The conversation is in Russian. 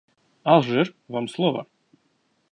Алжир, вам слово.